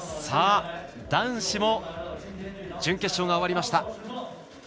男子も準決勝が終わりました。